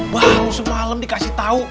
wah lo semalam dikasih tahu